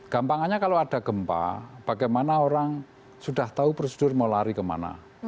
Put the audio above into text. gampangannya kalau ada gempa bagaimana orang sudah tahu prosedur mau lari kemana